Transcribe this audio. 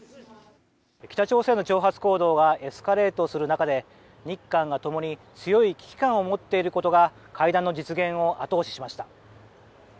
北朝鮮の挑発行動がエスカレートする中で日韓が共に強い危機感を持っていることが会談の実現を後押ししました。